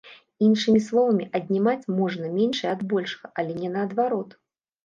Іншымі словамі, аднімаць можна меншае ад большага, але не наадварот.